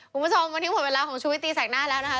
คุณผู้ชมวันนี้หมดเวลาของชุวิตตีแสกหน้าแล้วนะคะ